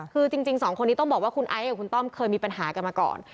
คือจริงสองคนนี้ต้องบอกว่าคุณไอซ์กับคุณต้อมเคยมีปัญหากันมาก่อน